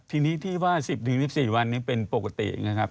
ทีนี้ที่ว่า๑๐๑๔วันนี้เป็นปกตินะครับ